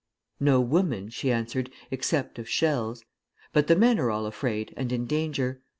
'No woman,' she answered, 'except of shells; but the men are all afraid, and in danger.